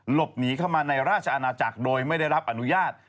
หลบหนีเข้ามาในราชอาณาจักรโดยไม่ได้รับอนุญาต